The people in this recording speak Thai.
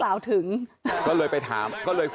ลาออกจากหัวหน้าพรรคเพื่อไทยอย่างเดียวเนี่ย